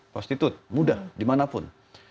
prostitut mudah dimanapun